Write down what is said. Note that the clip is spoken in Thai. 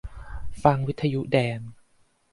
ฟังวิทยุแดง